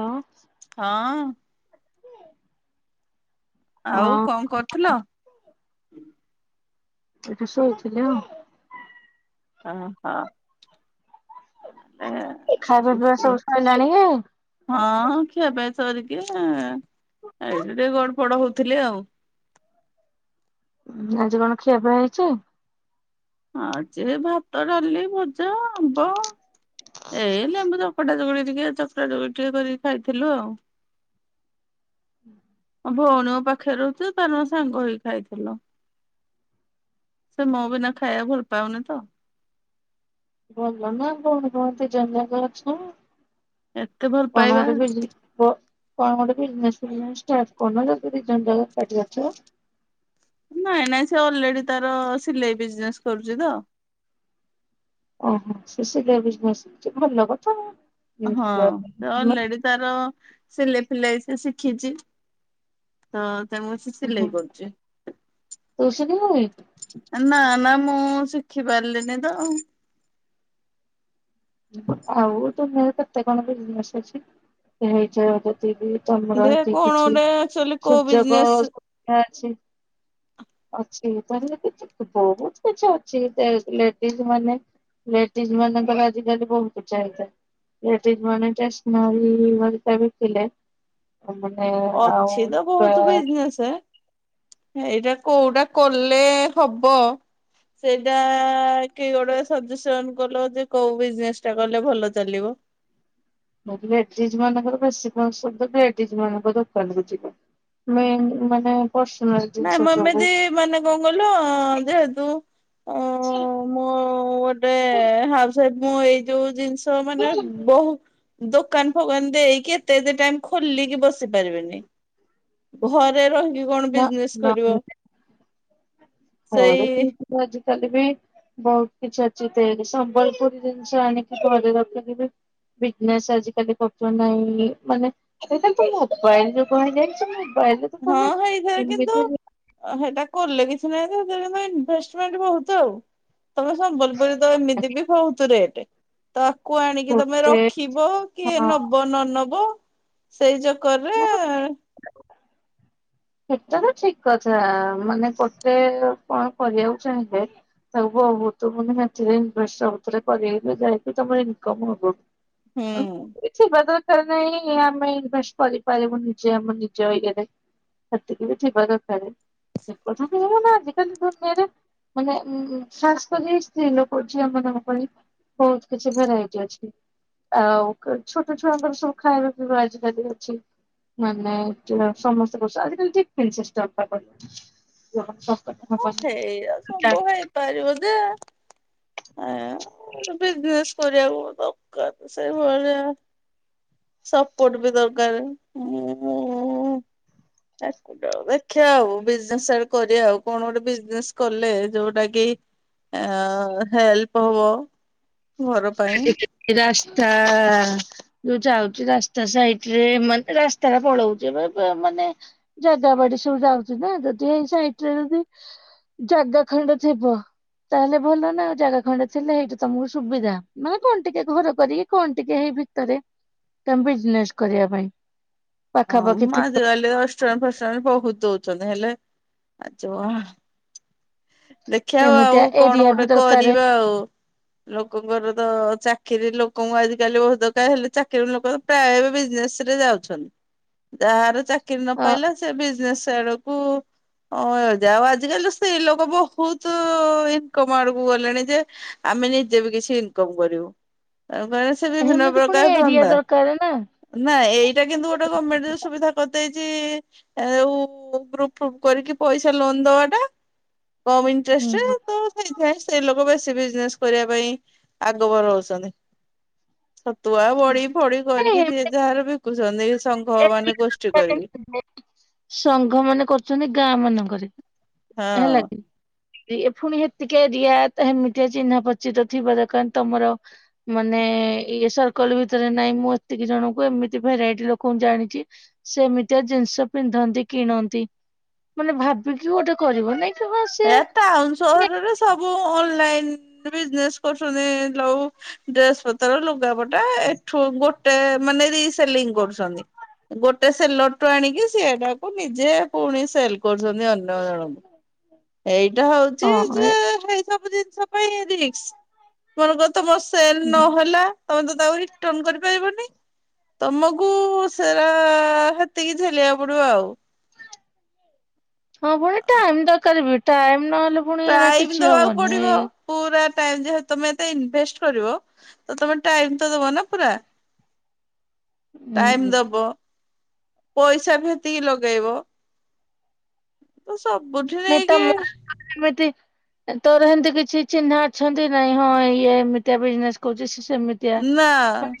ଆଁ। ହଁ ଅଁ ଆଉ କଣ କରୁଥିଲ? ଏଇଠି ଶୋଇଥିଲି ଆଉ। ଓ ହଁ। [unintelligible] ଖାଇବା ପିଇବା ସବୁ ସଇଲାଣି କି? ହଁ, ଖିଆପିଆ ସରିକି, ଏଇଠି ଟିକେ ଗଡ ପଡ ହଉଥିଲି ଆଉ। ଆଜି କଣ ଖିଆପିଆ ହେଇଚି? ଆଜି ହେଇ ଭାତ, ଡାଲି, ଭଜା, ଆମ୍ବ, ଏଇ ଲେମ୍ବୁ କଟା [unintelligible] ଟିକେ, ଚକଟା ଚକୁଟି ଟିକେ କରିକି ଖାଇଥିଲୁ ଆଉ। ମୋ ଭଉଣୀ ମୋ ପାଖରେ ରହୁଚି ତ, ତାର ମୋର ସାଙ୍ଗ ହେଇକି ଖାଇଥିଲୁ। ସେ ମୁଁ ବିନା ଖାଇବାକୁ ଭଲ ପାଉନି ତ? ଭଲ ନା, କଣ କହନ୍ତି [unintelligible] ଏତେ ଭଲ କଣ ପାଇବା ଗୋଟେ [unintelligible] କଣ ଗୋଟେ ବିଜନେସ ଫିଜିନେସ ଷ୍ଟାର୍ଟ କରୁନ, ଯଦି ଦି ଜଣ ଜାକ ଏକାଠି ଅଛ? ନାଇଁ ନାଇଁ, ସେ ଅଲରେଡି ତାର ସିଲେଇ ବିଜନେସ କରୁଚି ତ ଓହୋ, ସେ ସିଲେଇ ବିଜନେସ କରୁଚି, ଭଲ କଥା ହଁ ସେ [unintelligible] ଅଲରେଡି ତାର, ସିଲେଇ ଫିଲେଇ ସେ ଶିଖିଚି। ହଁ, ତେଣୁ ସେ ସିଲେଇ କରୁଚି। ତୁ ଶିଖିଲୁଣି ନା ନା, ମୁଁ ଶିଖି ପାରିଲିନି ତ। ଆଉ ତୁମେର କେତେ କଣ ବିଜନେସ ଅଛି, ହେଇ [unintelligible] [unintelligible] ତମର ଦେ ଏତିକି କଣ କିଛି, ଗୋଟେ ଆକ୍ଚୁଆଲି କୋଉ ସୁଯୋଗ ବିଜନେସ ବଢିଆ ଅଛି। ଅଛି, ତାହେଲେ ବହୁତ କିଛି ଅଛି, ଲେଡିଜ ମାନେ ଲେଡିଜ ମାନଙ୍କର ଆଜିକାଲି ବହୁତ ଚାହିଦା। ଲେଡ଼ିଜ ମାନେ ଷ୍ଟେସନାରୀ ହେରିକା ବିକିଲେ ମାନେ, ଆଉ ତ କିଏ ସେ? ଏଇଟା କୋଉଟା କଲେ ହବ, ସେଇଟା କି ଗୋଟା ସଜେସନ କଲ ଯେ, କୋଉ ବିଜନେସ ଟା କଲେ ଭଲ ଚାଲିବ? ମୁଁ କ ଲେଡ଼ିଜ ମାନଙ୍କର ବେଶୀ ପସନ୍ଦ, ଲେଡ଼ିଜ ମାନଙ୍କ ଦୋକାନକୁ ଯିବା। ମେନ ମାନେ ପର୍ସନାଲ ଜିନିଷ ନାଇଁ ମୁଁ ସବୁ ଏମିତି, ମାନେ କଣ କହିଲ ଯେହେତୁ ଉ ମୁଁ ଗୋଟେ ହାଉସୱାଇଫ, ମୁଁ ଏଇ ଯୋଉ ଜିନିଷ ମାନେ ବହୁ ଦୋକାନ ଫୋକାନ ଦେଇକି, ଏତେ ଏତେ ଟାଇମ୍ ଖୋଲିକି ବସି ପାରିବିନି। ଘରେ ରହିକି କଣ ନା ବିଜନେସ ନା କରିବ? ସେଇ ମୁଁ ଆଜିକାଲି ବି ବହୁତ କିଛି ଅଛି, [unintelligible] ସମ୍ବଲପୁରୀ ଜିନିଷ ଆଣିକି ଘରେ ରଖିକି ବି ବିଜନେସ୍ ଆଜିକାଲି କରୁଚନ୍ତି, ନାଇଁ ମାନେ ସେଇ ଟା ତ ମୋବାଇଲିରେ କୁହା ଯାଇଚି, ମୋବା ଇଲ ହଁ, ହେଇଥିରେ କିନ୍ତୁ ହେଇଟା କଲେ କିଛି ନାହିଁ ଯେ, ହେତେରେ କିନ୍ତୁ ଇନଭେଷ୍ଟମେଣ୍ଟ ବହୁତ ଆଉ। ତମେ ସମ୍ବଲପୁରୀ ତ, ଏମିତି ବି ବହୁତ ରେଟ। ତାକୁ ଆଣିକି ତମେ ଗୋଟେ ରଖିବ, ହଁ କିଏ ନ ନବ ନ ନବ? ସେଇ ଚକରରେ ନାଇଁ ଏ ସେଟା ତ ଠିକ କଥା, ମାନେ ଗୋଟେ କଣ କରିବାକୁ ଚାହିଁଲେ ତାକୁ ବହୁତୁ ମାନେ [unintelligible] ଇନଭେଷ୍ଟ ଆଉଥରେ [unintelligible] ଯାଇକି ତମର ଇନକମ୍ ହବ। ହୁଁ। [unintelligible] ଦରକାର୍ ନାହିଁ, ଆମେ ଇନଭେଷ୍ଟ କରିପାରିବୁ ନିଜେ ଆମ ନିଜେ ଇଏରେ। ସେତିକି ବି ଥିବା ଦରକାରେ, ସେକଥା ନୁହଁ ମାନେ ଆଜିିକାଲି ଦୁନିଆରେ ମାନେ ଉଁ [unintelligible] ସ୍ତ୍ରୀ ଲୋକ ଝିଅ ମାନଙ୍କ ପାଇଁ ବହୁତ୍ କିଛି ଭେରାଇଟି ଅଛି। ଆଉ ଛୋଟ ଛୁଆଙ୍କର ସବୁ ଖାଇବା ପିଇବା ଆଜିକାଲି ଅଛି। ମାନେ [unintelligible] ସମସ୍ତେ [inaudible] ହଁ ସେଇୟା ସବୁ ହେଇପାରିବ ଯେ ଏଁ ବିଜନେସ୍ କରିବାକୁ ଦକାରେ ସେଇ ଭଳିଆ ସପୋର୍ଟ ବି ଦରକାରେ [inaudible] ଦେଖିଆ ଆଉ ବିଜନେସ୍ ଚାଲ୍ କରିଆ ଆଉ, କଣ ଗୋଟେ ବିଜନେସ୍ କଲେ ଯୋଉଟା କି ଆଁ ହେଲ୍ପ ହବ। ଘର ପାଇଁ ରାସ୍ତା ଯୋଉ ଯାଉଚି ରାସ୍ତା ସାଇଟ୍ ରେ ମାନେ ରାସ୍ତା ଟା ପଳଉଛି ବ ବା ମାନେ ଜାଗା ବାଡି ସବୁ ଯାଉଚି ନା, ଯଦି ହେଇ ସାଇଟ୍ ରେ ଯଦି ଜାଗା ଖଣ୍ଡେ ଥିବ ତାହେଲେ ଭଲ ନା, ଜାଗା ଖଣ୍ଡେ ଥିଲେ ହେଇଠି ତମୁକୁ ସୁବିଧା। ମାନେ କଣ ଟିକେ ଘର କରିକି କଣ ଟିକେ ହେଇ ଭିତରେ ତମେ ବିଜନେସ୍ କରିବା ପାଇଁ। ହଁ ପାଖାପାଖି ଥିବ ଆଜିକାଲି ଅଷ୍ଟମି ଫଷ୍ଟମି ବହୁତ୍ ଦଉଚନ୍ତି ହେଲେ ଆ [unintelligible] ଦେଖିଆ ଆଉ, ଏମିତିଆ ଆଉ କଣ ଏରିଆ ବି ଗୋଟେ ଦରକାରେ କରିବା ଆଉ। ଲୋକଙ୍କର ତ ଚାକିରି ଲୋକଙ୍କୁ ଆଜିକାଲି [unintelligible] ହେଲେ ଚାକିରି ଲୋକ ପ୍ରାୟ ଏବେ ବିଜନେସ୍ ରେ ଯାଉଚନ୍ତି, ଯାହାର ଚା କିରି ନ ଅ ପାଇଲା ସେ ବିଜନେସ୍ ଆଡକୁ ହଁ ଯାହଉ ଆଜିକାଲି ତ ସ୍ତ୍ରୀ ଲୋ କ ସବୁ ବହୁତୁ ଇନକମ୍ ଆଡୁକୁ ଗଲେଣି ଯେ ଆମେ ନିଜେ ବି କିଛି ଇନକମ୍ କରିବୁ [unintelligible] [unintelligible] ବିଭିନ୍ନ ହେମିତି ପୁଣି ପ୍ରକାର ଏରିଆ ଧନ୍ଦା। ଦରକାର ନା ନା ଏଇଟା କିନ୍ତୁ ଗୋଟେ ଗମେଣ୍ଟ୍ ରେ ସୁବିଧା କରି ଦେଇଚି ଆଉ ଗ୍ରୁପ୍ ଫ୍ରୁପ୍ କରିକି ପଇସା ଲୋନ୍ ଦବାଟା କମ୍ ଇଣ୍ଟରେଷ୍ଟ୍ ରେ ହୁଁ। ତ ସେଇଥିପାଇଁ ସ୍ତ୍ରୀ ଲୋକ ବେଶୀ ବିଜନେସ୍ କରିବା ପାଇଁ ଆଗବର ହଉଚନ୍ତି। ଛତୁଆ, ବଡି ଫଡି ନାଇଁ କରିକି ସିଏ ଏମିତି ଯାହାର ବିକୁଚନ୍ତି ସଂଙ୍ଘ ମାନେ ଏରିଆ ଗୋଷ୍ଠୀ କରିକି। ଦରକାର। ସଂଘ ମାନେ କରୁଚନ୍ତି ଗାଁ ମାନଙ୍କରେ ହଁ। ହେଲାକି। ଯିଏ ପୁଣି ହେତିକି ରିଆ ହେମିତିଆ ଚିହ୍ନା ପଚିତ ଥିବା [unintelligible] ତମର ମାନେ ଇଏ ସର୍କଲ ଭିତରେ ନାଇଁ ମୁଁ ଏତିକି ଜଣଙ୍କୁ ଏମିତି ଭେରାଇଟି ଲୋକଙ୍କୁ ଜାଣିଚି ସେମିତିଆ ଜିନିଷ ପିନ୍ଧନ୍ତି କିଣନ୍ତି ମାନେ ଭାବିକି ଗୋଟେ କରିବ ନାଇଁ? କି ହଁ ସେ ଏ ଟାଉନ୍ ସହରରେ ସବୁ ଅନଲାଇନ୍ ବିଜନେସ୍ କରୁଛନ୍ତି ଲଉ ଡ୍ରେସ୍ ପତର ଲୁଗାପଟା ଏଠୁ ଗୋଟେ ମାନେ ରି ସେଲିଂ କରୁଚନ୍ତି। ଗୋଟେ ସେଲର୍ ଟୁ ଆଣିକି ସିଏଟାକୁ ନିଜେ ପୁଣି ସେଲ୍ କରୁଚନ୍ତି ଅନ୍ୟ ଜଣଙ୍କୁ। ଏଇଟା ହଉଚି ହଁ ଏ ଯେ ହେଇ ସବୁ ଜିନିଷ ପାଇଁ ରିକ୍ସ, ମନେକର ତମର ସେଲ୍ ହୁଁ। ନହେଲା ତମେ ତ ତାକୁ ରିଟନ୍ କରିପାରିବନି ତମକୁ ସେରା ହେତିକି ଝେଲିବାକୁ ପଡିବ ଆଉ। ହଁ ପୁଣି ଟାଇମ୍ ଦକାରେ ବି, ଟାଇମ୍ ନହେଲେ ପୁଣି ଏରା ଟାଇମ୍ କିଛି ଦବାକୁ ହବନି ପଡିବ। ଏଇ ପୁରା ଟାଇମ୍ ଯେ ତମେ ଏତେ ଇନଭେଷ୍ଟ୍ କରିବ ତ ତମେ ଟାଇମ୍ ତ ଦବ ନା ପୁରା ହୁଁ ଟାଇମ୍ ହୁଁ ଦବ ପଇସା ବି ସେତିକି ଲଗେଇବ ତ ସବୁଠି ନାଇ ନେଇକି ତମ [unintelligible] ତୋର ହେମିତି କିଛି ଚିହ୍ନା ଅଛନ୍ତି ନାଇଁ ହଁ ଇଏ ଏମିତିଆ ବିଜନେସ୍ କରୁଛି ସେମତି ନା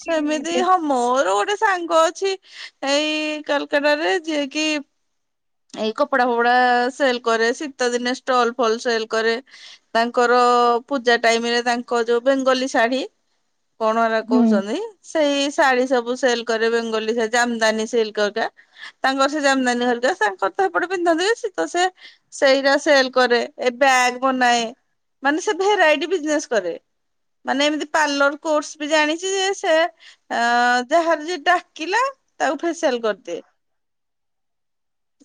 ସେମିତି ହ ମୋର ଗୋଟେ ସାଙ୍ଗ ଅଛି ଏଇ କୋଲକାତା ରେ ଯିଏ କିି ଏଇ କପଡା ଫପଡା ସେଲ୍ କରେ ଶୀତ ଦିନେ ଷ୍ଟଲ୍ ଫଲ୍ ସେଲ୍ କରେ ତାଙ୍କର ପୂଜା ଟାଇମ୍ ରେ ତାଙ୍କ ଯୋଉ ବେଙ୍ଗଲୀ ଶାଢ଼ୀ କଣ ହେରା ହୁଁ। କହୁଛନ୍ତି ସେଇ ଶାଢୀ ସବୁ ସେଲ୍ କରେ ବେଙ୍ଗଲୀ ଜମଦାନୀ ସେଲ୍ କରିବା ତାଙ୍କର ସେଇ ଜାଦାନୀ [unintelligible] ତଥା ହେପଟେ ପିନ୍ଧନ୍ତି ସିତ ସେ ସେଇଟା ସେଲ୍ କରେ। ଏ ବ୍ୟାଗ ବନାଏ। ମାନେ ସେ ଭେରାଇଟି ବିଜନେସ୍ କରେ। ମାନେ ଏମିତି ପାର୍ଲର କୋର୍ସ ବି ଜାଣିଚି ଯେ ସେ। ଆ ଯାହାର ଯିଏ ଡାକିଲା ତାକୁ ଫେସିଆଲ କରିଦିଏ।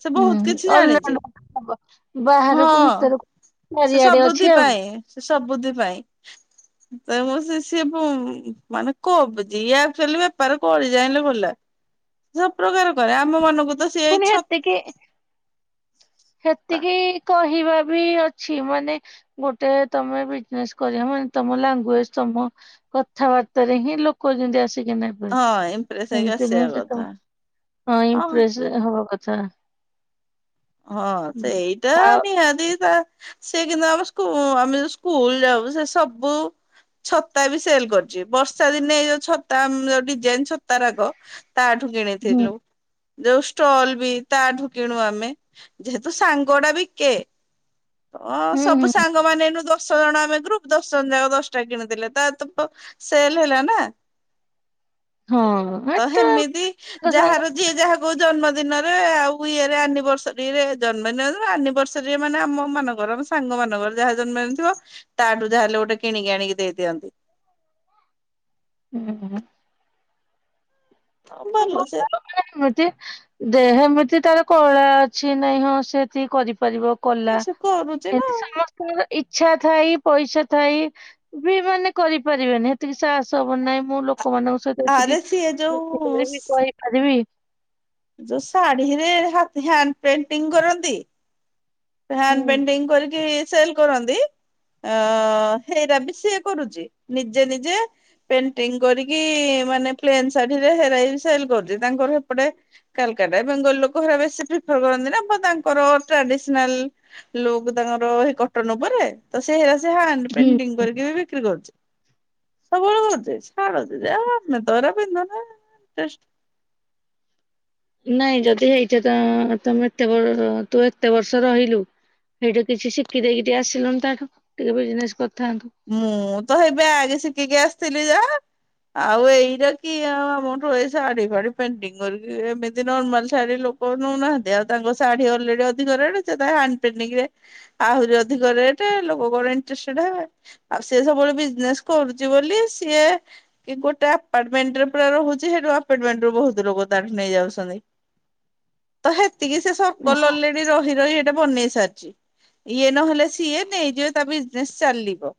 ସେ ବହୁତ ହୁଁ କିଛି ଜାଣିଚି ଅଲରାଉଣ୍ଡ ହଁ। ବାହାରକୁ ଭିତରକୁ ସେ ଚାରିଆଡେ ସବୁଦି ଅଛି ଆଉ ପାଇଁ ସେ ସବୁଦି ପାଇଁ। ତେ ମୋ ସେ ସିଏ ବଉ ମାନେ କବ ଯିଏ [unintelligible] ଲି ବେପାର କରି ଜାଣିଲେ ଭଲା। ସବୁ ପ୍ରକାର କରେ ଆମ ମାନଙ୍କୁ ତ ସିଏ ଏଇ ପୁଣିି ଛତା ହେତିକି ଇଁ। ହେତିକି କହିବା ବି ଅ ଛି ମାନେ ଗୋଟେ ତମେ ବିଜନେସ କରିବ ମାନେ ତମ ଲାଙ୍ଗୁଏଜ ତମ କଥାବାର୍ତ୍ତାରେ ହିଁ ଲୋକ ଯେମିତି ଆସିକି ନେବ ବେ ହଁ ଇମ୍ପ୍ରେସ ହେଇକି ଏମତି ଆସିବା ନୁହେଁ ଯେ ତମ କଥା ହଁ ଇମ୍ପ୍ରେସ ହବା କଥା। ହଁ ହୁଁ। ସେଇଟା ଆଉ ନିହାତି ତା ସେ କିନ୍ତୁ ଆମ ସ୍କୁ ଆମେ ଯଉ ସ୍କୁଲ ଯାଉ ସେ ସବୁ ଛତା ବି ସେଲ୍ କରିଚି। ବର୍ଷା ଦିନେ ଏଇ ଯୋଉ ଛତା ମ ଡିଜାଇନ ଛତା ରାକ। ତାଠୁ ହୁଁ କିଣିଥିଲୁ ଯୋଉ ଷ୍ଟଲ ବି ତାଠୁ କିଣୁ ଆମେ। ଯେହେତୁ ସାଙ୍ଗ ଟା ବିକେ ଅ ହୁଁ ସବୁ ହୁଁ ସାଙ୍ଗ ସାଙ୍ଗ ମାନେ ଏନୁ ଦଶ ଜଣ ଆମେ ଗ୍ରୁପ ଦଶ ଜଣ ଯାକ ଦଶଟା କିଣି ଦେଲେ। ତା ତପ ସେଲ୍ ହେଲା ନା। ହଁ ତ ହେଟା ହେମିତି ସାଙ୍ଗ ଯାହାର ଯିଏ ଯାହା କୁ ଜନ୍ମ ଦିନରେ ଆଉ ଇଏରେ ଆନିଭର୍ସ ରି ରେ ଜନ୍ମଦିନ ଆନିଭର୍ସରୀରେ ମାନେ ଆମ ମାନଙ୍କର ମୋ ସାଙ୍ଗ ମାନଙ୍କର ଯାହା ଜନ୍ମଦିନ ଥିବ। ତାଠୁ ଯା ହେଲେ ଗୋଟେ କିଣିକି ଆଣିକି ଦେଇଦିଅନ୍ତି। ହୁଁ-ହୁଁ। ଆଉ ଭଲ ସେ। ଏମତି ଦେହ ଏମିତି ତାର କଳା ଅଛି ନାଇଁ ହଁ ସେତିକି କରିପାରିବ। କଲା ସେ କରୁଛି ନା ଏମିତି ଆଉ। ସମସ୍ତିଙ୍କର ଇଚ୍ଛା ଥାଇ। ପଇସା ଥାଇ। ବି ମାନେ କରିପାରିବେନି। ହେତିକି ସାହସ ହବ ନାଇ ମୋ ଲୋକମାନଙ୍କ ସହିତ ଆରେ ସିଏ ଯୋଉ [unintelligible] କହି ପାରିବି। ଯଉ ଶାଢୀ ରେ ହାତୀ ହ୍ୟାଣ୍ଡ ପେଣ୍ଟିଂ କରନ୍ତି। ହ୍ୟାଣ୍ଡ ହୁଁ ପେଣ୍ଟିଂ କରିକି ସେଲ୍ କରନ୍ତି। ଅ ହେରା ବି ସିଏ କରୁଚି ନିଜେ ନିଜେ। ପେଣ୍ଟିଙ୍ଗ କରିକି ମାନେ ପ୍ଲେନ୍ ଶାଢୀରେ ହେରାବି ସେଲ କରୁଚି। ତାଙ୍କର ହେପଟେ କାଲକାଟା ବେଙ୍ଗଲ ଲୋକ ହେରା ବେଶୀ ପ୍ରିଫର କରନ୍ତି ନା। ପ ତାଙ୍କର ଟ୍ରାଡିସ ନାଲ ଲୁକ୍ ତାଙ୍କର ହେଇ କଟନ ଉପରେ। ତ ସେ ହେରା ସେ ହେଣ୍ଡ ହୁଁ ପେଣ୍ଟିଂ କରିକି ବି ବି ବିକ୍ରି କରୁଚି। ସବୁବେଳେ ହରୁଚି [unintelligible] ଆମେ ତ ହେଡା ପିନ୍ଧୁନେ। ନାଇଁ ଯଦି ହେଇଚ ତ ତମେ ଏତେ ବର ତୁ ଏତେ ବର୍ଷର ହେଇଲୁ ସେଇଠୁ କିଛି ଶିଖି ଦେଇକି ଟିକେ ଆସିଲୁନି ତାଠୁ। ଟିକେ ବିଜନେସ କରିଥାନ୍ତୁ। ମୁଁ ତ ହେଇ ବ୍ୟାଗ ଶିଖିକି ଆସିଥିଲି ଯା। ଆଉ ଏଇଟା କି ଆଉ ଆମଠୁ ଏ ଶାଢୀ ଫାଢି ପେଣ୍ଟିଙ୍ଗ କରିକି, ଏମିତି ନର୍ମାଲ ଶାଢୀ ଲୋ କଉ ନଉନାହାନ୍ତି। ଆଉ ତାଙ୍କ ଶାଢୀ ଅଲରେଡି ଅଧିକ ରେଟ। ସେ ତା ହଣ୍ଡ ପେଣ୍ଟିଂରେ ଆହୁରି ଅଧିକ ରେଟେ ଲୋକ କଣ ଇଣ୍ଟରେଷ୍ଟଟେଡ ହେବେ। ଆଉ ସିଏ ସବୁବେଳେ ବିଜନେସ କରୁଚି ବୋଲି, ସିଏ କି ଗୋଟେ ଆପାର୍ଟମେଣ୍ଟରେ ପୁରା ରହୁଚି। ସେଠୁ ଆପାର୍ଟମେଣ୍ଟ ରୁ ବହୁତ ଲୋକ ତାଠୁ ନେଇ ଯାଉଛନ୍ତି। ତ ହେତିକି ସେ ସରକଲ୍ ଅଲେଡି ରହି ରହି ହେ ଟା ବନେଇ ସାରିଚି। ଇଏ ନହେଲେ ସିଏ ନେଇଯିବେ ତା ବିଜନେସ ଚାଲିବ।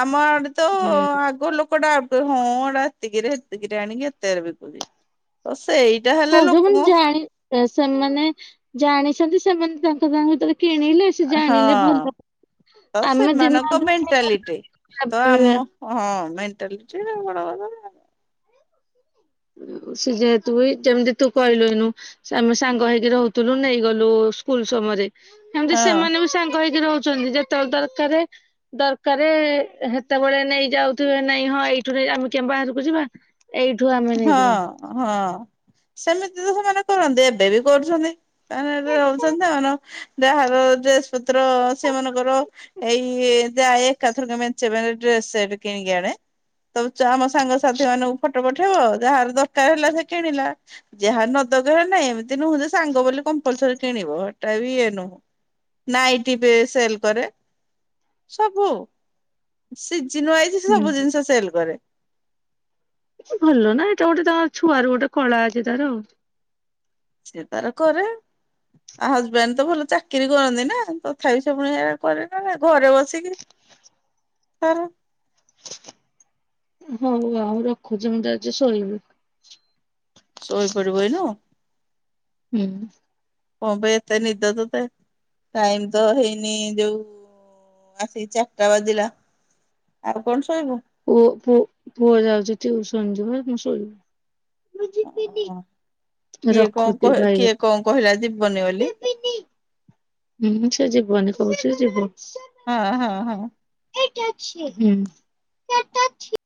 ଆମ ଆଡେ ତ ହୁଁ ଆଗର ଲୋକଟା ଏବେ ହଁ ଏଟା ଏତିକି ରେ ଏତିକି ଆଣିକି ଏତିକି ରେ ବିକୁଛି। ହଁ, ହେଲା ଲୋକଙ୍କ ଯୋଉମାନେ ଜାଣି ସେମାନେ ଜାଣିଛନ୍ତି ସେମାନେ ତାଙ୍କ ତାଙ୍କ ଭିତରେ କିଣିଲେ। ସେ ହଁ, ଜାଣିଲେ ଭଲ ତ ଆମେ ଦିନ ସେମାନଙ୍କ ମେଣ୍ଟାଲିଟି ତ ଅଧେ ଆମ ହଁ ମେଣ୍ଟାଲିଟି ଆଉ [unintelligible] ସେ ଯେହେତୁ ବି ଯେମିତି ତୁ କହିଲୁ ନୁ ଆମେ ସାଙ୍ଗ ହେଇକି ରହୁଥିଲୁ ନେଇଗଲୁ ସ୍କୁଲ ସମୟରେ। ଏମିତି ହଁ ସେମାନେ ବି ସାଙ୍ଗ ହେଇକି ରହୁଛନ୍ତି। ଯେତେବେଳେ ଦରକାରେ ଦରକାରେ ହେତେବେଳେ ନେଇ ଯାଉଥିବେ ନାଇଁ ହଁ ଏଇଠୁ ନେଇ ଯା, ଆମେ କେ ବାହାରକୁ ଯିବା। ଏଇଠୁ ଆଫ୍ ହଁ, ହଁ, ସେମିତି ତ ସେମାନେ କରନନ୍ତେ। ଏବେ ବି କରୁଛନ୍ତି। ତା ରହୁଛନ୍ତି ସେମାନେ ଯାହାର ଡ୍ରେସ ପତ୍ର ସେମାନଙ୍କର ଏଇ ଯାଏ ଏକାଥରକେ ମେଞ୍ଚେ ମେଞ୍ଚେ ଡ୍ରେସ ସେଟ୍ କିଣିକି ଆଣେ। ତ ଚାମାସ ସାଙ୍ଗସାଥି ମାନଙ୍କୁ ଫଟୋ ପଠେଇବ। ଯାହାର ଦରକାର ହେଲା ସେ କିଣିଲା। ଯାହାର ନ ଦରକାର ନାାଇଁ ଏମିତି ନୁହଁ ଯେ ସାଙ୍ଗ ବୋଲି କମ୍ପଲସରୀ କିଣିବ ଏଟା ବି ଇଏ ନୁହଁ। ନାଇଟି ବି ସେଲ କରେ ସବୁ। ସିଜିନ୍ ୱାଇଜି ସେ ସବୁ ଜିନିଷ ସେଲ କରେ। ଭଲ ନା ଏଇଟା ଗୋଟେ ତାଙ୍କ ଛୁଆ ର ଗୋଟେ କଳା ଅଛି ତାର ଆଉ। ସେ ତାର କରେ। ଆ ହଜବେଣ୍ଡ ତ ଭଲ ଚାକିରି କରନ୍ତି ନା ତଥାପି ସେ ପୁଣି ହେରା କରେନା ନାହିଁ ଘରେ ବସିକି। ତାର ହଉ ଆଉ ରଖୁଛି ମୁଁ ଯାଉଛି ଶୋଇବି। ଶୋଇପଡିବ ଏନ ହୁଁ କଣ ପାଇଁ ଏତେ ନିଦ ତତେ? ଟାଇମ ତ ହେଇନି ଯୋଉ ଆସିକି ଚାରିଟା ବାଜିଲା, ଆଉ କଣ ଶୋଇବୁ। ପୁଅ ପୁଅ ପୁଅ ଯାଉଛି ଟିଉସନ ଯିବ ମୁଁ ଶୋଇବି। ଓ କିଏ ରଖୁଛି କଣ କିଏ କଣ କହିଲା ଯିବନି ବୋଲି। ବିନି। ହୁଁ, ସେ ଯିବନି କହୁଛି ସେ ଯିବ। ହଁ-ହଁ-ହଁ। [inaudible]